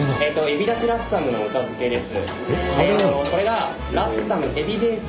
エビ出汁ラッサムのお茶漬けです。